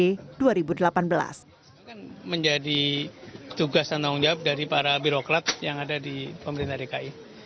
itu kan menjadi tugas dan tanggung jawab dari para birokrat yang ada di pemerintah dki